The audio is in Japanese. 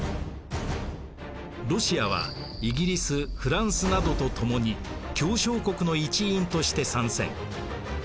ロシアはイギリスフランスなどとともに協商国の一員として参戦。